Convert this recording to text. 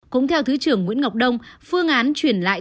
cũng theo thứ trưởng nguyễn ngọc đông phương án chuyển lại